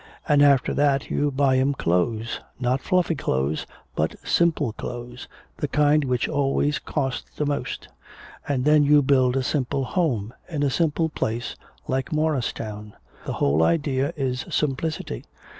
And after that you buy 'em clothes not fluffy clothes, but 'simple' clothes, the kind which always cost the most. And then you build a simple home, in a simple place like Morristown. The whole idea is simplicity.